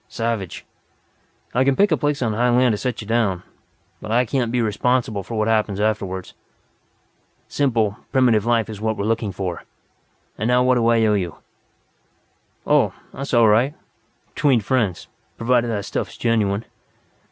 Savage. I can pick a place on high land to set you down. But I can't be responsible for what happens afterward." "Simple, primitive life is what we're looking for. And now what do I owe you " "Oh, that's all right. Between friends. Provided that stuff's genuine!